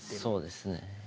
そうですね。